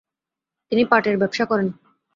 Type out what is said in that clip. তিনি পাটের ব্যবসা করেন।